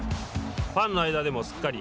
ファンの間でもすっかり